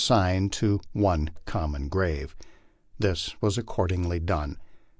signed to one common grave. This was accordingly done.